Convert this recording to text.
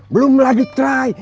belum lagi try